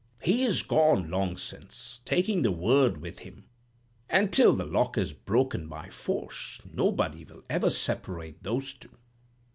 He is gone long since, taking the word with him. And till the lock is broken by force nobody will ever separate those two."